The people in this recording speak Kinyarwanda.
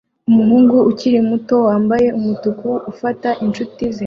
Umuhungu ukiri muto wambaye umutuku ufata inshuti ze